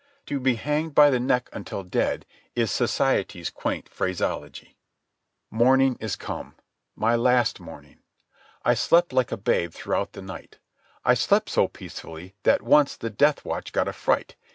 "To be hanged by the neck until dead" is society's quaint phraseology ... Morning is come—my last morning. I slept like a babe throughout the night. I slept so peacefully that once the death watch got a fright.